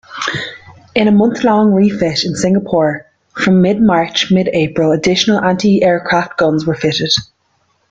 In a month-long refit in Singapore from mid-March-mid-April, additional anti-aircraft guns were fitted.